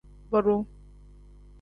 Bodu.